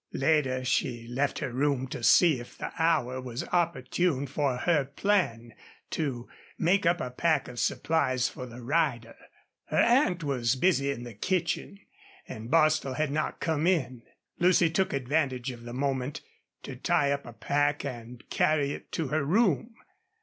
Later she left her room to see if the hour was opportune for her plan to make up a pack of supplies for the rider. Her aunt was busy in the kitchen, and Bostil had not come in. Lucy took advantage of the moment to tie up a pack and carry it to her room.